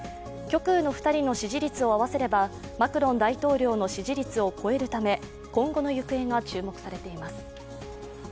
極右の２人の支持率を合わせれば、マクロン大統領の支持率を超えるため、今後の行方が注目されています。